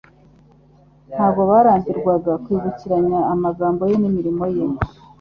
Ntabwo barambirwaga kwibukiranya amagambo ye n'imirimo ye.